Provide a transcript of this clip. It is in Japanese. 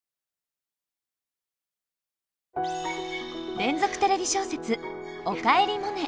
連続テレビ小説「おかえりモネ」。